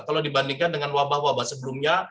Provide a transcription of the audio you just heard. kalau dibandingkan dengan wabah wabah sebelumnya